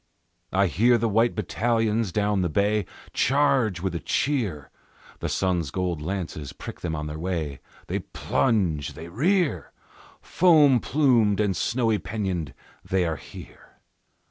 I hear the white battalions down the bay Charge with a cheer; The sun's gold lances prick them on their way, They plunge, they rear, Foam plumed and snowy pennoned, they are here!